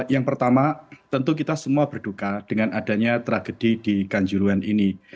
yang pertama tentu kita semua berduka dengan adanya tragedi di kanjuruan ini